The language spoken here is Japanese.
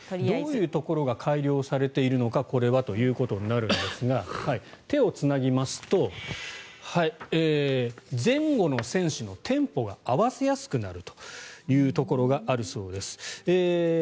どういうところが改良されているのかこれはということになるんですが手をつなぎますと前後の選手のテンポが合わせやすくなるというところがあるそうです。